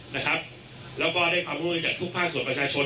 แล้วก็ได้ความร่วมมือจากทุกภาคส่วนประชาชน